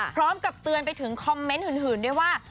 พร้อมกับเตือนไปถึงคอมเม้นท์หืนหืนได้ว่า